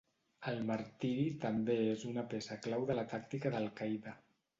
El martiri també és una peça clau de la tàctica d'Al-Qaida.